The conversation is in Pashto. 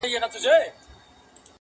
آب حیات د بختورو نصیب سینه.!